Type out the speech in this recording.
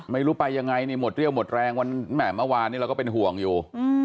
ไม่รู้ไปยังไงนี่หมดเรี่ยวหมดแรงวันแหม่เมื่อวานนี้เราก็เป็นห่วงอยู่